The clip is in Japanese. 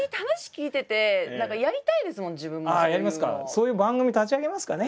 そういう番組立ち上げますかね？